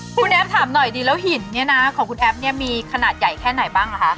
คุณแอฟถามหน่อยดีแล้วหินเนี่ยนะของคุณแอฟเนี่ยมีขนาดใหญ่แค่ไหนบ้างล่ะคะ